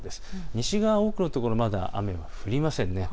西側、多くのところでまだ雨は降りません。